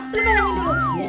tuh bangin dulu